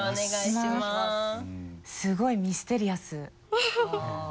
すごいミステリアス。